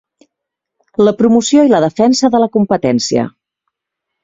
La promoció i la defensa de la competència.